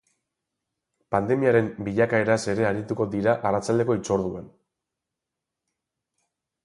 Pandemiaren bilakaeraz ere arituko dira arratsaldeko hitzorduan.